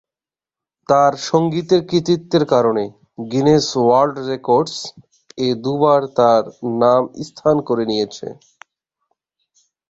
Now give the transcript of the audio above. তার সঙ্গীতের কৃতিত্বের কারণে, "গিনেস ওয়ার্ল্ড রেকর্ডস" এ দুবার তার নাম স্থান করে নিয়েছে।